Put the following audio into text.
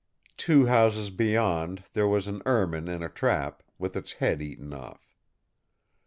Two houses beyond there was an ermine in a trap, with its head eaten off.